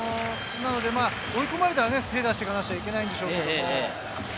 追い込まれたら手を出していかなきゃいけないんでしょうけど。